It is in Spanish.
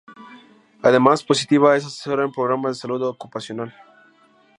Además, Positiva es asesora en programas de salud ocupacional.